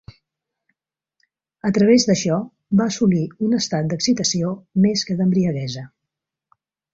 A través d'això va assolir un estat d'excitació més que d'embriaguesa.